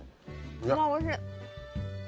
うわおいしい。